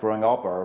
mereka tahu bahwa